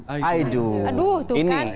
aduh tuh kan